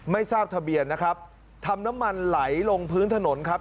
ไม่ทราบทะเบียนนะครับทำน้ำมันไหลลงพื้นถนนครับ